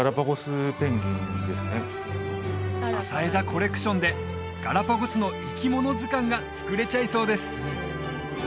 朝枝コレクションでガラパゴスの生き物図鑑が作れちゃいそうです